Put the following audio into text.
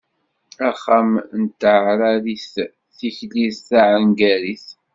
Axxam n tɛerɛarit, tikli taɛengarit.